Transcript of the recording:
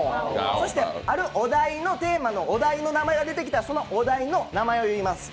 そして、あるテーマのお題の名前が出てきたらそのお題の名前を言います。